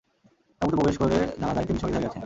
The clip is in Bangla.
তাঁবুতে প্রবেশ করে জানা যায় তিনি শহীদ হয়ে গেছেন।